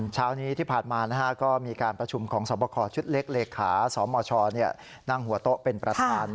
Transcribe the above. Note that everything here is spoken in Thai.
เช้านี้ที่ผ่านมาก็มีการประชุมของสวบคอชุดเล็กเลขาสมชนั่งหัวโต๊ะเป็นประธาน